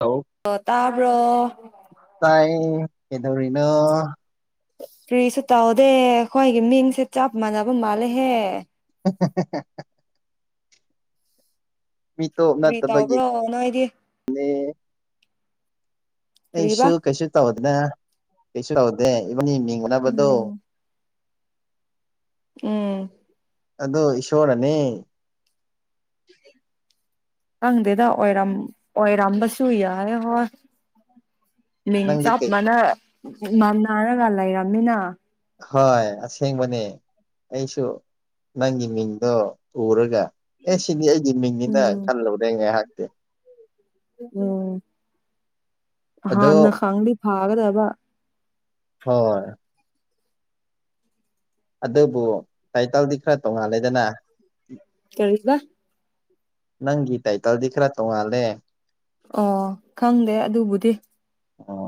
hello ꯑ ꯇꯕ ꯑꯦꯗꯧꯔꯤꯅꯣ ꯐ꯭ꯔꯤꯁꯨ ꯇꯧꯍꯗꯦ ꯑꯩꯈꯣꯏꯒꯤ ꯃꯤꯡꯁꯦ ꯆꯞ ꯃꯥꯟꯅꯕ ꯃꯥꯜꯂꯦꯍꯦ [unintelligible] ꯃꯤꯇꯣꯞ ꯀꯔꯤ ꯇꯧꯕ꯭ꯔꯣ ꯅꯣꯏꯗꯤ ꯅꯠꯇꯕꯒꯤꯅꯦ ꯀꯔꯤꯕ ꯑꯩꯁꯨ ꯀꯩꯁꯨ ꯇꯧꯗꯅ ꯀꯩꯁꯨ ꯇꯧꯗꯦ ꯏꯕꯟ ꯌꯦꯡꯅꯤꯡꯕꯅꯕꯗꯣ ꯎꯝ ꯎꯝ ꯑꯗꯨ ꯏꯁꯣꯔꯅꯤ [unintelligible] ꯇꯪꯗꯗ ꯑꯣꯔꯝ ꯑꯣꯏꯔꯝꯕꯁꯨꯨꯏ ꯌꯥ ꯍ ꯃꯤꯡ ꯅꯪꯗꯤ ꯆꯞ ꯀꯩ ꯃꯥꯟꯅ ꯃꯥꯟꯟꯅꯔꯒ ꯂꯩꯔꯝꯃꯤꯅ ꯍꯣꯏ ꯑꯁꯦꯡꯕꯅꯦ ꯑꯩꯁꯨ ꯅꯪꯒꯤ ꯃꯤꯡꯗꯣ ꯎꯔꯒ ꯑꯦ ꯁꯤꯅꯤ ꯑꯩꯗꯤ ꯃꯤꯡꯅꯤꯅ ꯎꯝ ꯈꯜꯂꯨꯗꯦ ꯉꯥꯏꯍꯥꯛꯇꯤ ꯎꯝ ꯑꯗꯣ ꯍꯥꯟꯅ ꯈꯪꯉꯂꯤ ꯐꯥꯒꯗ ꯋꯥ ꯍꯣꯏ ꯑꯗꯨꯕꯨ ꯇꯥꯏꯇꯜꯗꯤ ꯈꯔ ꯇꯧꯉꯜꯂꯦꯗꯅ ꯀꯔꯤꯁꯕ ꯅꯪꯒꯤ ꯒꯤ ꯇꯥꯏ ꯀꯜ ꯈ꯭ꯔꯥ ꯇꯍꯦ ꯑꯣ ꯈꯪꯗꯦ ꯑꯗꯨꯕꯨꯗꯤ ꯑꯣ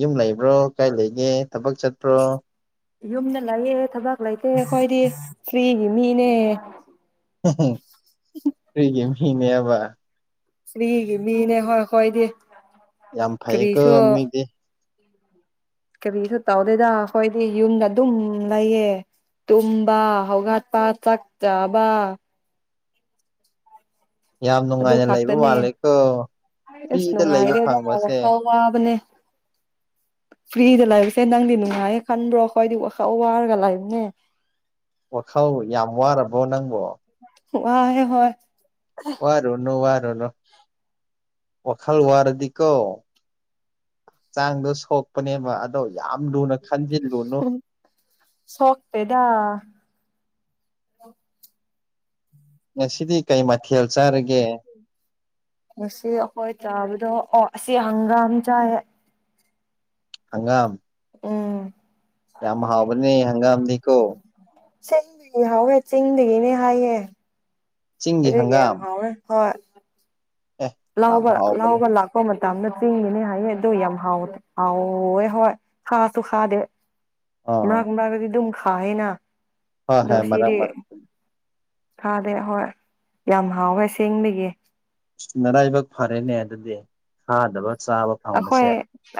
ꯌꯨꯝ ꯂꯩꯕ꯭ꯔꯣ ꯀꯥꯏ ꯂꯩꯒꯦ ꯊꯕꯛ ꯆꯠꯄ꯭ꯔꯣ ꯌꯨꯝꯗ ꯂꯑꯦ ꯊꯕꯛ ꯂꯩꯇꯦ ꯑꯩꯈꯣꯏꯗꯤ ꯐꯔꯤ ꯃꯤꯅꯦ ꯔꯤꯒꯤ ꯃꯤꯅꯦ ꯌꯥꯕ ꯁ꯭ꯔꯤ ꯃꯤꯅꯦ ꯍꯣꯏ ꯍꯣꯏꯗꯤ ꯌꯥꯝ ꯐꯩꯀꯣ ꯀꯔꯤꯁꯨꯣ ꯃꯤꯗꯤ ꯀꯔꯤꯁꯨ ꯇꯧꯗꯣꯏꯗ ꯑꯩꯈꯣꯏꯗꯤ ꯌꯨꯝꯗ ꯑꯗꯨꯝ ꯂꯩꯌꯦ ꯇꯝꯕ ꯍꯧꯒ ꯍꯥꯠꯄ ꯆ ꯆꯕ ꯌꯥꯝ ꯑꯗꯨ ꯅꯨꯡꯉꯥꯏꯅ ꯂꯩꯕ ꯈꯥꯛꯛꯇꯅꯦ ꯃꯥꯜꯂꯦꯀꯣ ꯑꯁ ꯐ꯭ꯔꯤꯗ ꯂꯩꯕ ꯐꯪꯕꯁꯦ ꯅꯨꯡꯉꯥꯏꯔꯦꯗꯥꯎ ꯋꯥꯕꯅꯦ [inaudible] ꯐ꯭ꯔꯤꯗ ꯂꯩꯕꯁꯦ ꯅꯪꯗꯤ ꯅꯨꯡꯉꯥꯏꯌꯦ ꯈꯟꯕ꯭ꯔꯣ ꯑꯩꯈꯣꯏꯗꯤ ꯋꯥꯔꯒ ꯂꯥꯛꯕꯅꯦ ꯋꯥꯈꯧ ꯌꯥꯝ ꯋꯥꯔꯕꯣ ꯅꯪꯕꯣ ꯋꯥ ꯍꯦ ꯍꯣꯏ ꯋꯥꯔꯨꯅꯣ ꯋꯥꯔꯅꯣ ꯋꯥꯈꯜ ꯋꯥꯔꯗꯤ ꯀꯣ ꯍꯛꯆꯥꯡꯗꯣ ꯁꯣꯛꯄꯅꯦꯕ ꯑꯗꯣ ꯌꯥꯝ ꯂꯨꯅ ꯈꯟꯖꯤꯜꯂꯨꯅꯨ ꯁꯣꯛꯇꯦꯗꯥ ꯁꯤꯗꯤ ꯀꯩ ꯃꯥ ꯉꯁꯤ ꯑꯩꯈꯣꯏ ꯆꯥꯕꯗꯣ ꯑꯣ ꯑꯁꯤ ꯍꯪꯒꯥꯝ ꯆ ꯍꯪꯒꯥꯝ ꯎꯝ ꯌꯥꯝ ꯍꯥꯎꯕꯅꯦ ꯍꯪꯒꯥꯝꯗꯤꯀꯣ ꯆꯦꯡꯗꯒꯤ ꯍꯧꯥꯎꯋꯦ ꯆꯤꯡꯗꯒꯤꯅꯦ ꯍꯥꯏꯌꯦꯦ ꯆꯤꯡꯒꯤ ꯑꯗꯨꯒꯦꯝ ꯍꯪꯒꯥꯝ ꯍ ꯍꯣꯏ ꯑꯦ ꯌꯥꯝ ꯂꯕ ꯍꯥꯎꯕꯅꯦ ꯂꯕ ꯂꯥꯛꯀꯣ ꯃ ꯇꯞꯅ ꯆꯤꯡꯉꯤꯅꯦ ꯍꯥꯏꯌꯦ ꯑꯗꯨꯣ ꯌꯥꯝ ꯍꯥꯎꯗ ꯍꯥꯎꯦ ꯍꯣꯏ ꯈꯁꯨ ꯈꯥꯗꯦ ꯃꯔꯒ ꯃ꯭ꯔꯒꯗꯤ ꯑꯗꯨꯝ ꯈꯥꯌꯦꯦꯅ ꯍ ꯍ ꯃꯔꯝ ꯃꯔꯝ ꯊꯥꯗꯦ ꯍꯣꯏ ꯌꯥꯝ ꯍꯥꯎꯋꯦ ꯁꯦꯡꯕꯒꯤ ꯃꯔꯔꯥꯏꯕꯛ ꯐꯔꯦꯅꯦ ꯑꯗꯨꯗꯤ ꯊꯥꯗꯕ ꯑꯩꯈꯣꯏ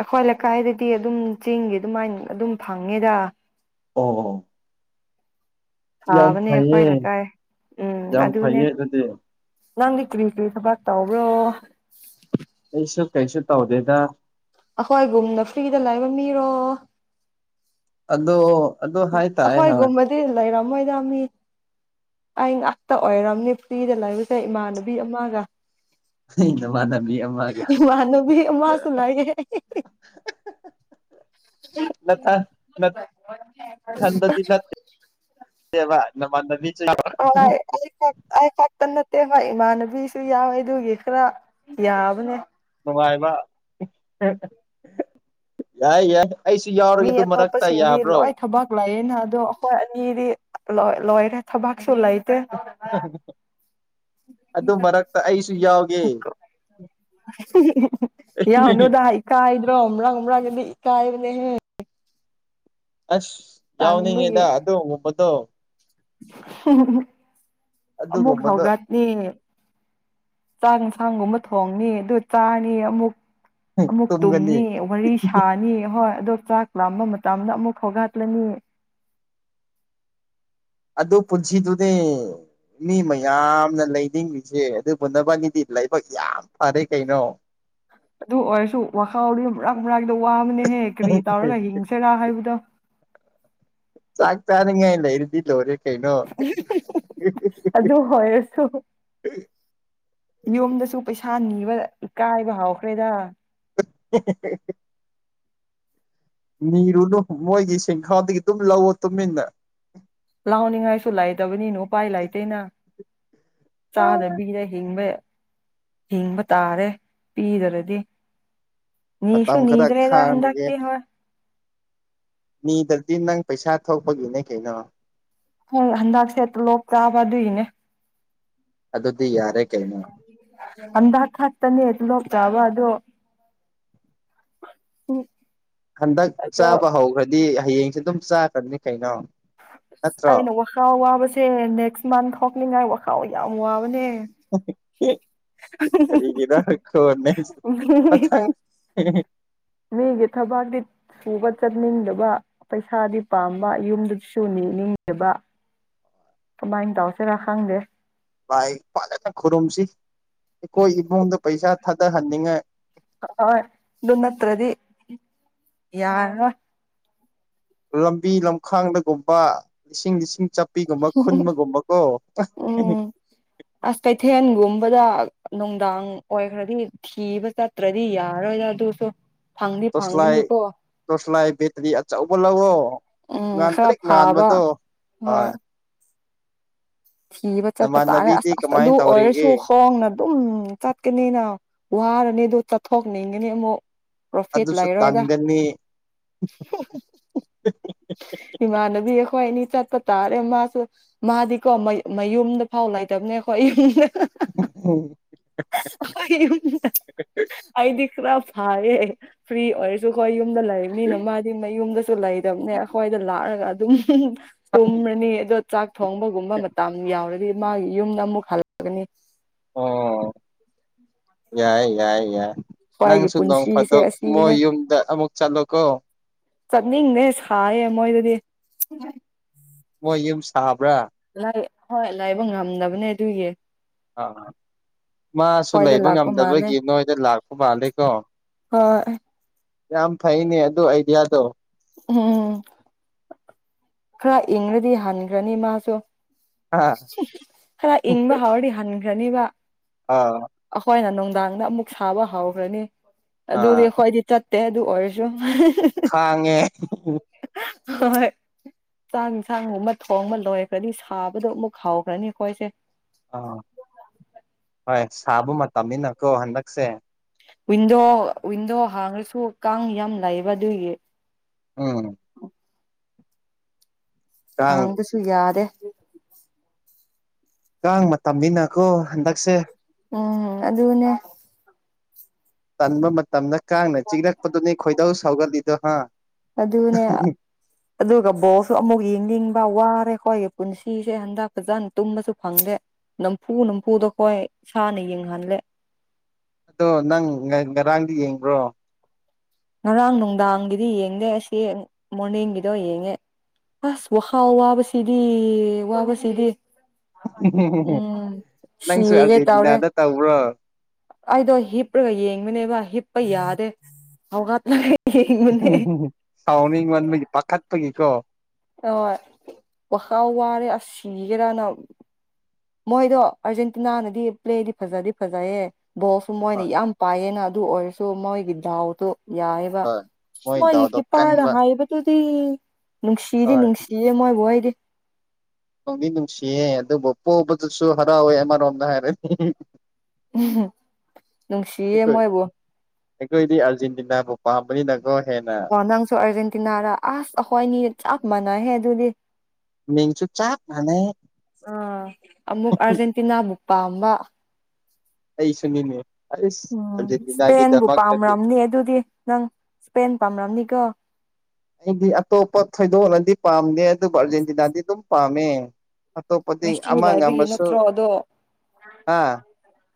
ꯑꯩꯈꯣꯏ ꯂꯩꯀꯥꯏꯗꯗꯤ ꯑꯗꯨꯝ ꯆꯦꯡꯒꯤ ꯑꯗꯨꯃꯥꯏꯅ ꯑꯗꯨꯝ ꯐꯪꯉꯦꯗ ꯑꯣ ꯌꯥꯝ ꯊꯥꯕꯅꯦ ꯈ꯭ꯋꯥꯏ ꯐꯩꯌꯦ ꯂꯩꯀꯥꯏ ꯎꯝ ꯌꯥꯝ ꯑꯗꯨꯅꯦ ꯐꯩꯌꯦ ꯑꯗꯨꯗꯤ ꯅꯪꯗꯤ ꯀꯔꯤ ꯀꯔꯤ ꯊꯕꯛ ꯇꯧꯕ꯭ꯔꯣ ꯑꯩꯁꯨ ꯀꯩꯁꯨ ꯇꯧꯗꯦꯗ ꯑꯩꯈꯣꯏ ꯒꯨꯝꯅ ꯐ꯭ꯔꯤꯗ ꯂꯩꯕ ꯃꯤꯔꯣ ꯑꯗꯣ ꯑꯗꯨ ꯍꯥꯏꯇꯥꯔꯦ ꯍꯣꯏ ꯑꯩꯈꯣꯏꯒꯨꯝꯕꯗꯤ ꯂꯩꯔꯝꯃꯣꯏꯗ ꯃꯤ ꯑꯩ ꯉꯥꯛꯇ ꯑꯣꯏꯔꯝꯅꯤ ꯐ꯭ꯔꯤꯗ ꯂꯩꯕꯁꯦ ꯏꯃꯥꯟꯅꯕꯤ ꯑꯃꯒ ꯑꯩ ꯅꯃꯥꯟꯅꯕꯤ ꯑꯃꯒ ꯃꯅꯨꯕꯤ ꯃꯥ ꯁꯅꯥꯏꯌꯦ [inaudible] ꯅꯊ ꯈꯟꯗꯤ ꯅ ꯅ ꯃꯥꯟꯅꯕꯤ ꯑꯣ ꯀꯇꯅ ꯏ ꯍꯣꯏ ꯏꯃꯥꯟꯅꯕꯤꯁꯨ ꯌꯥꯎꯋꯦ ꯑꯗꯨꯒꯤ ꯈꯔ ꯌꯥꯕꯅꯦ ꯅꯨꯡꯉꯥꯏꯕ ꯌꯥꯏ ꯌꯥꯏ ꯑꯩꯁꯨ ꯌꯥꯎꯔꯒꯦ ꯃꯤ ꯑꯗꯨ ꯃꯔꯛꯇ ꯑꯇꯣꯞꯄꯁꯤꯡꯗꯤ ꯌꯥꯕ꯭ꯔꯣ ꯂꯣꯏ ꯊꯕꯛ ꯂꯩꯌꯦꯅ ꯑꯗꯣ ꯑꯩꯈꯣꯏ ꯑꯅꯤꯗꯤ ꯂꯣꯏ ꯂꯣꯏꯔꯦ ꯊꯕꯥꯛꯁꯨꯂꯥꯏꯗ ꯑꯗꯨ ꯃꯔꯛꯇ ꯑꯩꯁꯨ ꯌꯥꯎꯒꯦ ꯌꯥꯅꯨꯗ ꯏꯀꯥꯏꯗ꯭ꯔꯣ ꯑꯃꯔꯥꯡ ꯑꯃꯔꯥꯡꯒꯗꯤ ꯏꯀꯥꯏꯕꯅꯦꯍꯦ ꯍ ꯑꯁ ꯌꯥꯎꯅꯤꯡꯉꯦꯗ ꯑꯣꯒꯨꯝꯕꯗꯣ ꯑꯃꯃꯨꯛ ꯑꯗꯨꯒꯨꯝꯕꯗꯣ ꯍꯥꯎꯘꯗꯅꯤ ꯆꯥꯛ ꯌꯦꯟꯁꯥꯡꯒꯨꯝꯕ ꯊꯣꯡꯅꯤ ꯑꯗꯨ ꯆꯥꯅꯤ ꯑꯃꯨꯛ ꯑꯃꯨꯛ ꯇꯨꯝꯒꯅꯤ ꯇꯨꯝꯅꯤ ꯋꯥꯔꯤ ꯁꯥꯅꯤ ꯍꯣꯏ ꯑꯗꯣ ꯆꯥꯛ ꯂꯥꯝꯕ ꯃꯇꯝꯗ ꯑꯃꯨꯛ ꯈꯧꯒꯠꯂꯅꯤ ꯑꯗꯨ ꯄꯨꯟꯁꯤꯗꯨꯗꯤ ꯃꯤ ꯃꯌꯥꯝꯅ ꯂꯩꯅꯤꯡꯂꯤꯁꯦ ꯑꯗꯨꯕꯨ ꯅꯕꯥꯅꯤꯗꯤ ꯂꯥꯏꯕꯛ ꯌꯥꯝ ꯐꯔꯦ ꯀꯩꯅꯣ ꯎ ꯑꯗꯨ ꯑꯣꯏꯔꯁꯨ ꯋꯥꯈꯥꯎꯔꯤ ꯃꯔꯛ ꯃꯔꯥꯛꯗ ꯋꯥꯕꯅꯦꯍꯦ ꯀꯔꯤ ꯇꯧꯔꯒ ꯍꯤꯡꯁꯔꯥ ꯍꯥꯏꯕꯗꯣ [unintelligible] ꯆꯥꯛ ꯇꯥꯅꯤꯡꯉ ꯏꯂ ꯏꯔꯗꯜ ꯑꯣꯏꯦ ꯑꯗꯨ ꯑꯗꯨ ꯍꯣꯏꯁꯨ ꯌꯨꯝꯗꯁꯨ ꯄꯩꯁꯥ ꯅꯤꯕ ꯏꯀꯥꯏꯕ ꯍꯧꯥꯎꯈ꯭ꯔꯦꯗ [unintelligible] ꯅꯤꯔꯨꯅꯨ ꯃꯣꯏꯒꯤ ꯁꯤꯡꯈꯥꯗꯒꯤ ꯑꯗꯨꯝ ꯂꯧꯋ ꯇꯨꯃꯤꯟꯅꯟꯅꯦ ꯥꯎꯅꯤꯡꯉꯥꯏꯁꯨ ꯂꯩꯥꯏꯗꯕꯅꯤꯅꯣ ꯄꯥꯏ ꯂꯥꯛꯏꯇꯇꯩꯅ ꯆꯥꯗꯕꯤꯗ ꯍꯤꯡꯕ ꯍꯤꯡꯕ ꯇꯥꯔꯦ ꯄꯤꯗ꯭ꯔꯗꯤ ꯃꯇꯝ ꯅꯁꯨꯨ ꯈꯔ ꯅꯗ꯭ꯔꯦꯗ ꯍꯟꯥꯛꯇ ꯃꯤꯗꯗꯤ ꯅꯪ ꯄꯩꯁꯥ ꯊꯣꯛꯄꯒꯤꯅꯦ ꯀꯩꯅꯣ ꯍꯣꯏ ꯑꯗꯁꯦ ꯂ ꯇꯥꯕ ꯑꯗꯨꯅꯦ ꯑꯗꯨꯗꯤ ꯌꯥꯔꯦ ꯀꯩꯅꯩꯅꯣ ꯑꯗꯈ ꯍꯥꯇꯅꯤꯦ ꯍꯥꯏ ꯂꯣ ꯇꯕ ꯑꯗꯨ ꯑꯗꯨꯣ ꯎ ꯍꯟꯗꯛ ꯆꯥꯕ ꯍꯧꯈ꯭ꯔꯗꯤ ꯍꯌꯦꯡꯁꯦ ꯑꯗꯨꯝ ꯆꯥꯛꯀ꯭ꯔꯅꯤ ꯀꯩꯅꯣ ꯑꯁ ꯅꯠꯇ꯭ꯔꯣ ꯑꯩꯅ ꯋꯥꯈꯥꯎ ꯋꯥꯕꯁꯦ ꯅꯦꯛꯁ ꯃꯟ ꯊꯣꯛꯅꯤꯡꯉꯥꯏ ꯋꯥꯈꯥꯎ ꯌꯥꯝ ꯋꯥꯕꯅꯦ ꯑꯣꯀꯦ ꯔꯤꯒꯤꯗꯈꯣ ꯃꯆꯥ ꯃꯤꯒꯤꯦ ꯊꯕꯥꯔꯗꯤ ꯁꯨꯕ ꯆꯠꯅꯤꯡꯗꯕ ꯄꯩꯁꯥꯗꯤ ꯄꯥꯝꯕ ꯌꯨꯝꯗꯨꯗꯤꯁꯨ ꯅꯤꯅꯤꯡꯗꯕ ꯀꯃꯥꯏꯅ ꯇꯁꯦ ꯔ ꯈꯥꯡꯒꯦ ꯚꯥꯏ ꯐꯖꯅ ꯈꯨꯔꯨꯝꯁꯤ ꯑꯩꯈꯣꯏ ꯏꯃꯨꯡꯗ ꯄꯩꯁꯥ ꯊꯥꯗꯍꯟꯅꯤꯡꯉꯥꯏ ꯍꫭꯏ ꯑꯗꯨꯅꯠꯇ꯭ꯔꯗꯤ ꯌꯔꯥꯔꫭꯏ ꯂꯝꯕꯤ ꯂꯝꯈꯥꯡꯗꯒꯨꯝꯕ ꯂꯤꯁꯤꯡ ꯂꯤꯁꯤꯡ ꯄꯤꯒꯨꯝꯕ ꯈꯨꯟꯃꯒꯨꯝꯕ ꯀꯣ ꯎꯝ ꯑꯁ ꯀꯩꯊꯦꯜꯒꯨꯝꯕꯗ ꯅꯨꯡꯗꯥꯡ ꯑꯣꯏꯈ꯭ꯔꯗꯤ ꯊꯤꯕ ꯆꯠꯇ꯭ꯔꯗꯤ ꯌꯥꯔꯣꯏꯗ ꯑꯗꯨꯁꯨ ꯐꯪꯗꯤ ꯇꫭꯁꯂꯥꯏ ꯐꯪꯒꯅꯤꯀꯣ ꯇꫭꯁꯂꯥꯏ ꯕ‌ꯦꯇꯔꯤ ꯑꯆꯧꯕꯥ ꯂꯧꯑꫭ ꯎꯝ ꯈꯔ ꯉꯥꯟꯇ꯭ꯔꯛ ꯐꯥꯕ ꯉꯕꯗꯨ ꯍꯣꯏ ꯊꯤꯕ ꯆꯠꯄ ꯇꯥꯔꯦ ꯅꯃꯥꯟꯅꯕꯤꯗꯤ ꯑꯁ ꯑꯁ ꯑꯗꯨ ꯀꯃꯥꯏꯅ ꯑꯣꯏꯔꯁꯨ ꯇꯧꯔꯤꯒꯦ ꯈꫭꯡꯅ ꯑꯗꯨꯝ ꯆꯠꯀꯅꯤꯅ ꯋꯥꯔꯅꯤ ꯑꯗꯨ ꯆꯠꯊꯣꯛꯅꯤꯡꯒꯅꯤ ꯑꯃꯨꯛ ꯄ꯭ꯔꯣꯐꯤꯠ ꯑꯗꯨꯁꯨ ꯂꯩꯔꯣꯏꯗ ꯇꯥꯟꯒꯅꯤ ꯏꯃꯥꯟꯅꯕꯤ ꯑꯩ ꯑꯩꯈꯣꯏ ꯑꯅꯤ ꯆꯠꯄ ꯇꯥꯔꯦ ꯃꯥꯁꯨ ꯃꯥꯗꯤꯀꯣ ꯃꯌꯨꯝꯗ ꯐꯥꯎ ꯂꯩꯇꯕꯅꯦ ꯑꯩꯈꯣꯏ ꯌꯨꯝꯗ ꯑꯩ ꯑꯩꯗꯤ ꯈꯔꯥ ꯐꯥꯏꯌꯦ ꯐ꯭ꯔꯤ ꯑꯣꯏꯔꯁꯨ ꯑꯈꫭꯏ ꯌꯨꯝꯗ ꯂꯩꯕꯅꯤꯅ ꯃꯤꯅ ꯃꯥꯗꯤ ꯃꯌꯨꯝꯗ ꯂꯩꯇꯕꯅꯦ ꯑꯩꯈꯣꯏꯗ ꯂꯥꯛꯑꯒ ꯑꯗꯨꯝ ꯇꯨꯝꯃꯅꯤ ꯑꯗꯣ ꯆꯥꯛ ꯊꯣꯡꯕ ꯒꯨꯝꯕ ꯃꯇꯝ ꯌꯥꯎꯔꯗꯤ ꯃꯥꯒꯤ ꯌꯨꯝꯗ ꯑꯃꯨꯛ ꯍꯜꯂꯛꯑꯒꯅꯤ ꯑꯣ ꯌꯥꯏ ꯌꯥꯏ ꯌꯥꯏ ꯈ꯭ꯋꯥꯏꯒꯤ ꯅꯪꯁꯨ ꯅꯣꯡ ꯄꯨꯟꯁꯤꯁꯦ ꯐꯥꯗꯣꯛ ꯃꯣꯏ ꯑꯁꯤꯅꯦ ꯌꯨꯝꯗ ꯑꯃꯨꯛ ꯆꯠꯂꯣꯀꯣ ꯆꯠꯅꯤꯡꯗꯦ ꯁꯥꯏꯌꯦ ꯃꯣꯏꯗꯗꯤ ꯃꫭꯏ ꯌꯨꯝ ꯁꯥꯕ ꯍꯣꯏ ꯂꯥꯩꯕ ꯉꯝꯗꯕꯅꯦ ꯑꯗꯨꯏꯒꯤ ꯑꯥ ꯃꯥꯁꯨ ꯈ꯭ꯋꯥꯏꯗ ꯂꯩꯕ ꯂꯥꯛꯄ ꯃꯥꯜꯂꯦ ꯉꯝꯗꯕꯒꯤ ꯅꯣꯏꯗ ꯂꯥꯛꯄ ꯃꯥꯜꯂꯦꯀꯣ ꯍꯣꯏ ꯌꯥꯝ ꯐꯩꯅꯤ ꯑꯗꯨ ꯑꯥꯏꯗꯤꯌꯥꯗꫭ ꯎꯝ ꯈꯔ ꯏꯪꯉꯗꯤ ꯍꯟꯈ꯭ꯔꯅꯤ ꯃꯥꯁꯨ ꯍꯥ ꯈꯔ ꯏꯪꯕ ꯍꯥꯎꯔꯗꯤ ꯍꯟꯈ꯭ꯔꯅꯤꯕ ꯑꯥ ꯑꯩꯈꯣꯏꯅ ꯅꯨꯡꯗꯥꯡꯗ ꯑꯃꯨꯛ ꯁꯥꯕ ꯍꯧꯈ꯭ꯔꯅꯤ ꯑꯗꯨꯗꯤ ꯑꯥ ꯑꯩꯈꯣꯏꯗꯤ ꯆꯠ ꯇ‌ꯦ ꯑꯗꯨ ꯑꯣꯏꯔꯁꯨ ꯈꯥꯡꯉꯦ ꯍꯣꯏ ꯆꯥꯛ ꯌꯦꯟꯁꯥꯡꯒꯨꯝꯕ ꯊꯣꯡꯕ ꯂꯣꯏꯈ꯭ꯔꯗꯤ ꯁꯥꯕꯗꯣ ꯑꯃꯨꯛ ꯍꯥꯎꯈ꯭ꯔꯅꯤ ꯑꯩꯈꯣꯏꯁꯦ ꯑꯥ ꯍꯣꯏ ꯁꯥꯕ ꯃꯇꯝꯅꯤꯅꯀꯣ ꯍꯟꯗꯛꯁꯦ ꯋꯤꯟꯗꯣ ꯋꯤꯟꯗꯣ ꯍꯥꯡꯉꯁꯨ ꯀꯥꯡ ꯌꯥꯝ ꯂꯩꯕ ꯑꯗꯨꯒꯤ ꯑꯣ ꯎꯝ [unintelligible] ꯀꯥꯡ ꯍꯥꯡꯕꯁꯨ ꯌꯥꯗꯦ ꯀꯥꯡ ꯃꯇꯝꯅꯤꯅꯀꯣ ꯍꯟꯗꯛꯁꯦ ꯎꯝ ꯑꯗꯨꯅꯦ ꯇꯟꯕ ꯃꯇꯝꯗ ꯀꯥꯡꯅ ꯆꯤꯛꯔꯛꯄꯗꯨꯅꯤ ꯈꯣꯏꯗꯧ ꯁꯥꯎꯒꯠꯂꯤꯗꯣ ꯍꯥ ꯑꯗꯨꯅꯦ ꯑꯗꯨꯒ ꯕꯣꯜꯁꯨ ꯑꯃꯨꯛ ꯌꯦꯡꯅꯤꯡ ꯋꯥꯔꯦ ꯑꯩꯈꯣꯏꯒꯤ ꯄꯨꯟꯁꯤꯁꯦ ꯍꯟꯗꯛ ꯐꯖꯅ ꯇꯨꯝꯕꯁꯨ ꯐꯪꯗꯦ ꯅꯝꯐꯨ ꯅꯝꯐꯨꯗꯣ ꯑꯩꯈꯣꯏ ꯏꯁꯥꯅ ꯌꯦꯡꯍꯜꯂꯦ ꯑꯗꯣ ꯅꯪ ꯉꯔꯥꯡꯗꯤ ꯌꯦꯡꯕ꯭ꯔꯣ ꯉꯔꯥꯡ ꯅꯨꯡꯗꯥꯡꯒꯤꯗꯤ ꯌꯦꯡꯗꯦ ꯑꯁꯤ ꯃꯣꯔꯅꯤꯡꯒꯤꯗꯣ ꯌꯦꯡꯉꯦ ꯑꯁ ꯋꯥ ꯍꯥꯎ ꯋꯥ ꯁꯤꯗꯤ ꯋꯥꯕꯁꯤꯗꯤ ꯎꯝ ꯅꯪꯁꯨ ꯁꯤꯒꯦ ꯇꯧꯔꯦ ꯑꯥꯔꯖꯦꯟꯇꯤꯅꯥꯗ ꯇꯧꯕ꯭ꯔꯣ ꯑꯩꯗꯣ ꯍꯤꯞꯄ꯭ꯔꯒ ꯌꯦꯡꯕꯅꯦꯕ ꯍꯤꯞꯄ ꯌꯥꯗꯦ ꯍꯧꯒꯠ ꯁꯥꯎꯅꯤꯡ ꯃꯟꯕꯒꯤ ꯄꯥꯈꯠꯃꯟꯕꯒꯤꯀꯣ ꯍꫭꯏ ꯋꯈꯥꯜ ꯋꯥꯔꯦ ꯁꯤꯒꯦꯔꯅ ꯃꯣꯏꯗꯣ ꯑꯔꯖꯦꯟꯇꯤꯅꯥꯅꯗꯤ ꯄ꯭ꯂꯦꯗꯤ ꯐꯖꯗꯤ ꯐꯖꯩꯌꯦ ꯕꯣꯜꯁꯨ ꯃꯣꯏꯅ ꯍꯣꯏ ꯌꯥꯝ ꯄꯥꯏꯌꯦꯅ ꯑꯗꯨ ꯑꯣꯏꯔꯁꯨ ꯃꯣꯏꯒꯤ ꯗꯥꯎꯗꯨ ꯌꯥꯏꯕ ꯍꯣꯏ ꯃꯣꯏ ꯗꯥꯎꯗꯣ ꯁꯃꯌꯦꯛꯒꯤ ꯄꯥꯔ ꯀꯟꯕ ꯍꯥꯏꯕꯗꯨ ꯁꯤ ꯅꯨꯡꯁꯤꯗꯤ ꯍꯣꯏ ꯅꯨꯡꯁꯤꯌꯦ ꯃꯣꯏꯕꯨ ꯑꯩꯗꯤ ꯅꯗꯤ ꯅꯨꯡꯁꯤꯌꯦꯦ ꯑꯗꯨꯕꯨ ꯄꯣꯛꯕꯗꯁꯨ ꯍꯔꯥꯎꯋꯦ ꯑꯃꯔꯣꯝꯗ ꯍꯥꯏꯔꯅꯤ ꯑꯩꯈꯣꯏ ꯅꯨꯡꯁꯤꯌꯦꯃꯣꯕꯣ ꯑꯩꯈꯣꯏꯗꯤ ꯑꯥꯔꯖꯦꯟꯇꯤꯅꯥꯕꯨ ꯄꯥꯝꯕꯅꯤꯅ ꯑꯣ ꯅꯪꯁꯨ ꯑꯥꯔꯖꯦꯟꯇꯤꯅꯥꯔ ꯑꯁ ꯑꯩꯈꯣꯏꯅꯤ ꯆꯞ ꯃꯥꯟꯅꯩꯍꯦ ꯑꯗꯨꯗꯤ ꯃꯤꯡꯁꯨ ꯆꯞ ꯃꯥꯟꯅꯩ ꯑ ꯃꯨ ꯑꯔꯖꯦꯟꯇꯤꯅꯥꯕꯨ ꯄꯥꯃ ꯑꯩꯁꯨꯅꯤꯅꯤ ꯎꯝ ꯏꯁꯄꯦꯟꯕꯨ ꯄꯥꯝꯔꯝꯅꯤ ꯑꯗꯨꯗꯤ ꯅꯪ ꯏꯁꯄꯦꯟ ꯄꯥꯝꯔꯝꯅꯤ ꯀ ꯑꯩꯗꯤ ꯑꯇꯣꯞꯄ ꯊꯣꯏꯗꯣꯛꯅꯗꯤ ꯄꯥꯝꯗꯦ ꯑꯗꯨꯕꯨ ꯑꯥꯔꯖꯦꯟꯇꯤꯅꯥꯗꯤ ꯑꯗꯨꯝ ꯄꯥꯝꯃꯦ ꯑꯇꯣꯞꯄꯗꯤ ꯃꯦꯁꯤ ꯑꯃ ꯂꯩꯕꯒꯤ ꯑꯃꯁꯨ ꯅꯠꯇ꯭ꯔꯣ ꯑꯗꯣ ꯑꯥ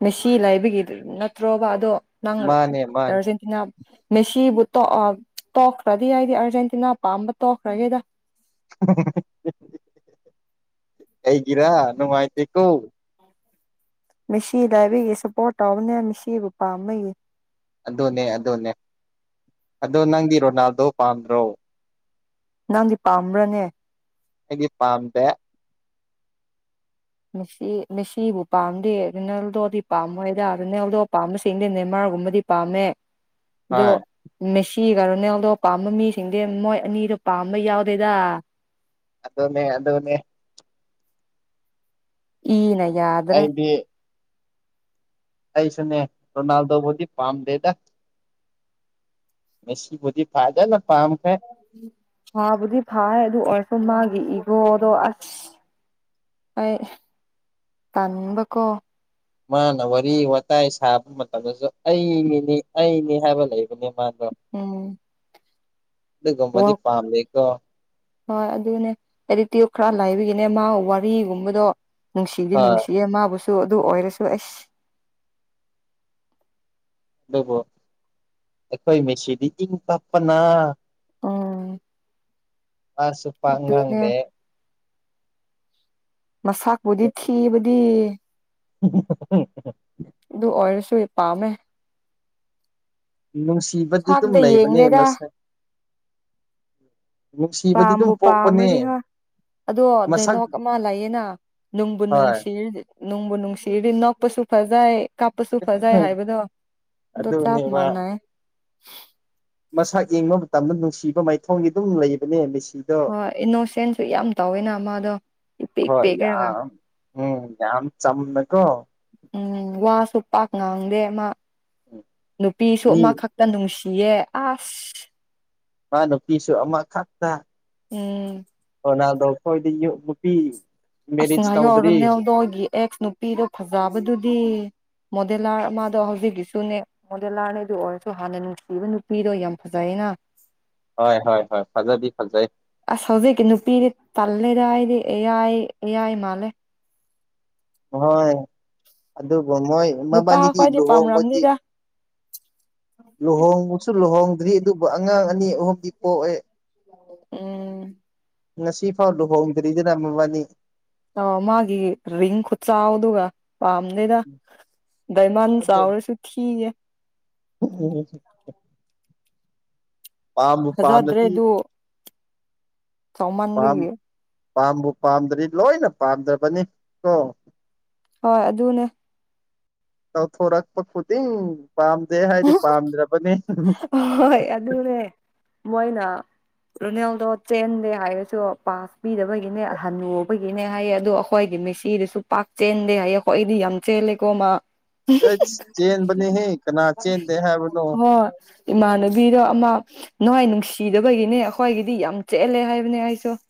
ꯃꯦꯁꯤ ꯂꯥꯏꯕꯒꯤ ꯅꯠꯇ꯭ꯔꯣꯕ ꯑꯗꯣ ꯅꯪ ꯃꯥꯅꯦ ꯃꯥꯅꯦ ꯑꯥꯔꯖꯦꯟꯇꯤꯅꯥ ꯃꯦꯁꯤꯕꯨ ꯇ ꯇꯣꯛꯈ꯭ꯔꯗꯤ ꯍꯥꯏꯗꯤ ꯑꯥꯔꯖꯦꯟꯇꯤꯅꯥ ꯄꯥꯝꯕ ꯇꯣꯛꯈ꯭ꯔꯒꯦꯗ ꯑꯩꯒꯤꯔꯥ ꯅꯨꯡꯉꯥꯏꯇꯦ ꯀꯣ ꯃꯁꯤꯗꯕꯒꯤ ꯁꯞꯄꯣꯔꯠ ꯇꯧꯕꯅꯦ ꯃꯁꯤꯁꯤꯕꯨ ꯄꯥꯝꯝꯕꯒꯤ ꯑꯗꯨꯅꯦ ꯑꯗꯨꯅꯦ ꯑꯗꯣ ꯅꯪꯗꯤ ꯔꯣꯅꯥꯜꯗꯣ ꯄꯥꯝꯗ꯭ꯔꯣ ꯅꯪꯗꯤ ꯄꯥꯝꯕ꯭ꯔꯅꯦ ꯑꯩꯒꯤ ꯄꯥꯝꯗ ꯃꯦꯁꯤ ꯃꯦꯁꯤꯕꯨ ꯄꯥꯝꯗꯦ ꯅꯦꯜꯗꯣꯗꯤ ꯄꯥꯝꯃꯣꯏꯗ ꯨꯅꯦꯜꯗꯣ ꯄꯥꯝꯕꯁꯤꯡꯗꯤꯅꯦ ꯃꯔ ꯒꯨꯝꯕꯗꯤ ꯄꯥꯝꯃꯦ ꯑꯣ ꯍꯣꯏ ꯃꯦ ꯁꯤ ꯀꯔꯣꯅꯦꯜꯗꯣ ꯄꯥꯝꯕ ꯃꯤꯁꯤꯡꯗꯤ ꯃꯣꯏ ꯑꯅꯤꯗꯣ ꯄꯥꯝꯕ ꯌꯥꯎꯗꯦꯗ ꯑꯗꯅꯦ ꯑꯗꯅꯦ ꯏ ꯅ ꯌꯥꯗ꯭ꯔꯦ ꯑꯩꯩꯁꯨꯅꯦ ꯔꯣꯅꯥꯜꯗꯣꯕꯨꯗꯤ ꯄꯥꯝ ꯗꯦꯗ ꯃꯕꯨꯗꯤ ꯐꯥꯏꯗ ꯅ ꯍꯥꯥꯕꯨꯗꯤ ꯐꯥꯏ ꯑꯗꯨ ꯑꯣꯏꯔꯁꯨ ꯃꯥꯒꯤꯦ ꯏꯒꯣꯗꯣ ꯑꯁ ꯑꯩ ꯇꯅꯤꯡꯕꯀꯣ ꯃꯥꯅ ꯋꯥꯔꯤ ꯋꯥꯋꯇꯥꯏ ꯁꯥꯕ ꯃꯇꯝꯗꯁꯨ ꯑꯩꯅꯤꯅꯤ ꯑꯩꯅꯤ ꯍꯥꯏꯕ ꯂꯩꯕ ꯑꯗꯨ ꯃꯥꯥꯡꯗꯣ ꯎꯝ ꯃꯗꯤ ꯋꯥꯔꯛ ꯄꯥꯝꯃꯦꯀꯣ ꯍꯣꯏ ꯑꯗꯨꯅꯦ ꯑꯦꯗꯤꯇ꯭ꯌꯨꯠ ꯈꯔ ꯂꯥꯏꯕꯤꯒꯤꯅꯦ ꯃꯥꯒ ꯋꯥꯔꯤꯒꯨꯝꯕꯗꯣ ꯅꯨꯡꯁꯤꯗꯤ ꯍꯣꯏ ꯅꯨꯡꯁꯤꯌꯦ ꯃꯥꯕꯨꯁꯨ ꯑꯗꯨ ꯑꯣꯏꯔꯁꯨ ꯑꯦꯁ ꯑꯗꯨꯕꯨ ꯑꯩꯈꯣꯏ ꯃꯁꯤꯗꯤ ꯏꯪ ꯇꯞꯄꯅ ꯎꯝ ꯑꯗꯨꯅꯦ ꯑꯁꯨꯄꯉꯥꯡꯗꯦ ꯃꯁꯥꯄꯨꯗꯤ ꯊꯤꯕꯨꯗꯤ [unintelligible] ꯣꯏ ꯄꯥꯃꯦ ꯅꯨꯡꯁꯤꯕꯗꯤ ꯑꯗꯨꯝ ꯁꯥꯛꯇ ꯂꯩꯕꯅꯦ ꯌꯦꯡꯗꯦꯗ ꯃꯁꯦ ꯄꯥꯝꯕꯨ ꯄꯥꯝꯅꯗꯤ ꯍꯣꯏ ꯑꯗꯣ ꯃꯁꯛ ꯗꯥꯏꯂꯣꯛ ꯑꯃ ꯂꯩꯌꯦꯦꯅ ꯅꯅꯨꯡꯕꯨ ꯍꯣꯏ ꯅꯨꯡꯁꯤꯔ ꯅꯅꯨꯡꯕꯨ ꯅꯨꯡꯁꯤꯔ ꯏ ꯅꯣꯄꯁꯨ ꯐꯖꯥꯏ ꯀꯥꯞꯄꯁꯨ ꯐꯖꯥꯏ ꯍꯥꯏꯕꯗꯣ ꯑꯗꯨꯣ ꯆꯞꯞ ꯑꯗꯨꯅꯦꯕ ꯃꯥꯟꯅꯩ ꯃꯁꯛ ꯌꯦꯡꯕ ꯃꯇꯝꯗ ꯅꯨꯡꯁꯤꯕ ꯃꯥꯏꯊꯣꯡꯒꯤ ꯑꯗꯨꯝ ꯂꯩꯕꯅꯦ ꯃꯤꯁ ꯍꯣꯏ ꯏꯅꯣꯁꯦꯟꯁꯨ ꯌꯥꯝ ꯇꯧꯋꯦꯅ ꯃꯥꯗꯣ ꯏ ꯄꯦꯛ ꯏ ꯍꯣꯏ ꯄꯦꯛꯈ꯭ꯔꯒ ꯌꯥꯝ ꯎꯝ ꯌꯥꯝ ꯆꯝꯅꯀꯣ ꯎꯝ ꯋꯥꯁꯨ ꯄꯥꯛ ꯉꯥꯡꯗꯦ ꯑꯃ ꯅꯨꯄꯤꯁꯨ ꯃꯤ ꯑꯃꯈꯛꯇ ꯅꯨꯡꯁꯤ ꯌꯦ ꯑꯁ ꯃꯥꯅ ꯎꯝ ꯀꯅꯥꯗꯣ ꯑꯩꯈꯣꯏꯗꯤ ꯅꯨꯄꯤ ꯑꯁ ꯃꯦꯔꯤꯖ ꯉꯥꯏꯍꯥꯛ ꯇꯧꯗ꯭ꯔꯤ ꯌꯧꯔꯨꯅꯦꯗꯣ ꯑꯩꯒꯤ ꯑꯦꯛꯁ ꯅꯨꯄꯤꯗꯣ ꯐꯖꯕꯗꯨꯗꯤ ꯃꯣꯗꯦꯂꯥꯔ ꯃꯥꯗꯣ ꯍꯧꯖꯤꯛꯀꯤꯁꯨꯅꯦ ꯃꯣꯗꯦꯂꯥꯔꯅꯦ ꯑꯗꯨ ꯑꯣꯏꯔꯁꯨ ꯍꯥꯟꯅ ꯅꯨꯡꯁꯤꯕ ꯅꯨꯄꯤꯗꯣ ꯌꯥꯝ ꯐꯖꯕ ꯀꯩꯅꯣ ꯍꯣꯏ ꯍꯣꯏ ꯍꯣꯏ ꯐꯥꯖꯕꯤ ꯐꯥꯖꯕꯤ ꯑꯁ ꯍꯧꯖꯤꯛꯀꯤ ꯅꯨꯄꯤꯗꯤ ꯇꯜꯂꯦꯗ ꯑꯩꯗꯤ ꯏꯌꯥꯏ ꯏꯌꯥꯏ ꯃꯥꯜꯂꯦ ꯍꯣꯏ ꯑꯗꯨꯕꯨ ꯃꯣꯏ ꯅꯨꯄꯥ ꯃꯕꯥꯅꯤꯗꯤ ꯈ꯭ꯋꯥꯏꯗꯤ ꯂꯨꯍꯣꯡꯕꯗꯤ ꯄꯥꯝꯔꯝꯅꯤꯗ ꯂꯨꯍꯣꯡꯕꯁꯨ ꯂꯨꯍꯣꯡꯗ꯭ꯔꯤ ꯑꯗꯨꯕꯨ ꯑꯉꯥꯡ ꯑꯅꯤ ꯑꯍꯨꯝꯗꯤ ꯄꯣꯛꯑꯦ ꯎꯝ ꯉꯁꯤ ꯐꯥꯎ ꯂꯨꯍꯣꯡꯗ꯭ꯔꯤꯗꯅ ꯃꯕꯥꯅꯤ ꯑ ꯃꯥꯒꯤꯦ ꯔꯤꯡ ꯈꯨꯠꯆꯥꯥꯎꯗꯨꯒ ꯄꯥꯝꯗ ꯗꯥꯏꯃꯥꯟ ꯆꯥꯎꯔꯁꯨ ꯊꯤꯌꯦ ꯎꯝ ꯄꯥꯝꯕꯨ ꯄꯥꯝꯃꯗꯤ ꯆꯧꯃꯥꯟꯕꯒꯤ ꯄꯥꯝꯕꯨ ꯄꯥꯝꯗꯗꯤ ꯂꯣꯏꯅ ꯄꯥꯝꯗ꯭ꯔꯕꯅꯤ ꯀꯣ ꯍꯣꯏ ꯑꯗꯨꯅꯦ ꯇꯧ ꯊꫭꯔꯛꯄ ꯈꯨꯗꯤꯡ ꯄꯥꯝꯗꯦ ꯍꯥꯏꯗꯤ ꯄꯥꯝꯗ꯭ꯔꯕꯅꯤ ꯍꯣꯏ ꯑꯗꯨꯅꯦ ꯃꯣꯏꯅ ꯔꯣꯅꯦꯜꯗꯣ ꯆꯦꯟꯗꯦ ꯍꯥꯏꯔꯁꯨ ꯄꯥꯁ ꯄꯤꯗꯕꯒꯤꯅꯦ ꯍꯅꯨꯕꯒꯤꯅꯦ ꯍꯥꯏꯌꯦ ꯑꯗꯣ ꯑꯩꯈꯣꯏ ꯃꯦꯁꯤꯗꯁꯨ ꯄꯥꯛ ꯆꯦꯟꯗꯦ ꯍꯥꯏꯌꯦ ꯑꯩꯈꯣꯏ ꯗꯤ ꯌꯥꯝ ꯆꯦꯜꯂꯦꯀꯣ ꯃꯥ ꯑꯩꯁ ꯆꯦꯟꯕꯅꯤꯍꯦ ꯀꯅꯥ ꯆꯦꯟꯗꯦ ꯍꯥꯏꯕꯅꯣ ꯍꯣꯏ ꯏꯃꯥꯟꯅꯕꯤꯗꯣ ꯑꯃ ꯅꫭꯏ ꯅꯨꯡꯁꯤꯗꯕꯒꯤꯅꯦ ꯑꯩꯈꫭꯏꯒꯤꯗꯤ ꯌꯥꯝ ꯆꯦꯜꯂꯦ ꯍꯥꯏꯕꯅꯦ ꯑꯩꯁꯨ